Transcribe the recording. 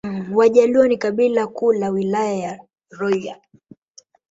Wajaluo ni kabila kuu la Wilaya ya Rorya